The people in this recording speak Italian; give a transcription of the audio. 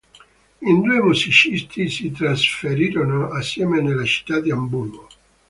I due musicisti si trasferirono assieme nella città di Amburgo.